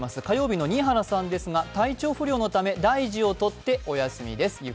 火曜日の新原さんですが体調不良のため大事を取ってお休みです。